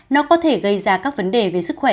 nó có thể gây ra các vấn đề về sức khỏe